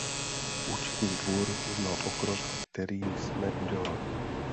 Účetní dvůr uznal pokrok, který jsme udělali.